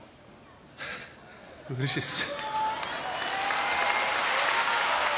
うれしいです。